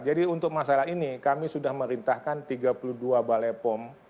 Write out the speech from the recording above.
jadi untuk masalah ini kami sudah merintahkan tiga puluh dua balai pom